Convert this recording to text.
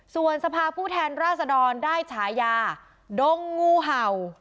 สวนสภาพ่อแทนรสดรณ์ได้ใช้ชายาดองงูเห่า